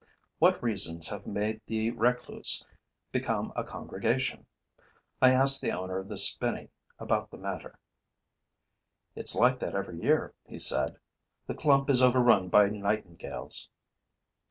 What reasons have made the recluse become a congregation? I asked the owner of the spinney about the matter. 'It's like that every year,' he said. 'The clump is overrun by Nightingales.'